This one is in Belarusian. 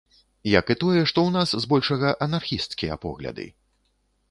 Як і тое, што ў нас збольшага анархісцкія погляды.